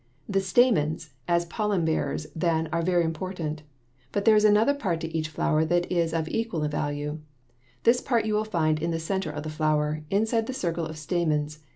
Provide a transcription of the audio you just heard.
The stamens as pollen bearers, then, are very important. But there is another part to each flower that is of equal value. This part you will find in the center of the flower, inside the circle of stamens.